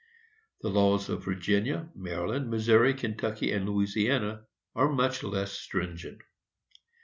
The laws of Virginia, Maryland, Missouri, Kentucky and Louisiana, are much less stringent.